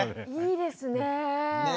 いいですね。